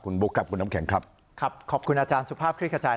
คุณบุ๊คครับคุณน้ำแข็งครับครับขอบคุณอาจารย์สุภาพคลิกขจาย